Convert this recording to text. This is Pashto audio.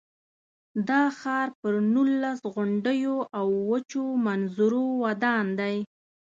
دا ښار پر نولس غونډیو او وچو منظرو ودان دی.